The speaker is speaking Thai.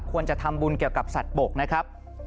ควรจะทำบุญเกี่ยวกับสัตว์บกนะครับ